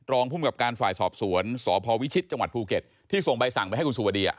รองภูมิกับการฝ่ายสอบสวนสพวิชิตจังหวัดภูเก็ตที่ส่งใบสั่งไปให้คุณสุวดี